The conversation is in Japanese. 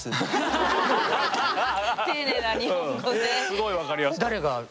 すごい分かりやすかった。